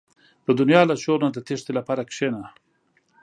• د دنیا له شور نه د تیښتې لپاره کښېنه.